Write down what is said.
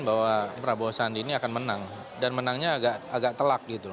bahwa prabowo sandiaga akan menang dan menangnya agak agak telak gitu loh